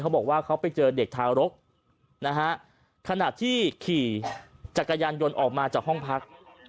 บอกว่าเขาไปเจอเด็กทารกนะฮะขณะที่ขี่จักรยานยนต์ออกมาจากห้องพัก